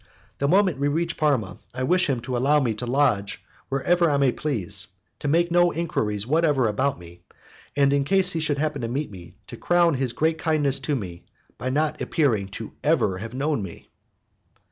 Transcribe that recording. The moment we reach Parma I wish him to allow me to lodge wherever I may please, to make no enquiries whatever about me, and, in case he should happen to meet me, to crown his great kindness to me by not appearing to have ever known me."